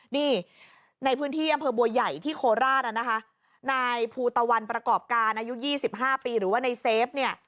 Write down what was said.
นี่ในพื้นที่อำเภอบัวใหญ่ที่โคราชนะคะนายภูตะวันประกอบการอายุ๒๕ปีหรือว่าในเซฟเนี่ย